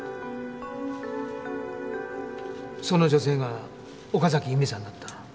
その女性が岡崎由美さんだった。